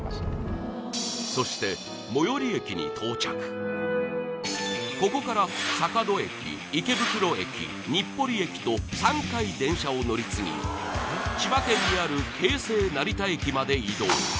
そしてここから坂戸駅池袋駅日暮里駅と３回電車を乗り継ぎ千葉県にある京成成田駅まで移動